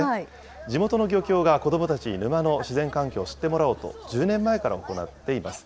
地元の漁協が子どもたちに沼の自然環境を知ってもらおうと、１０年前から行っています。